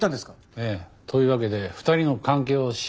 ええ。というわけで２人の関係を調べてくれ大至急。